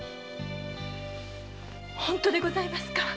本当でございますか？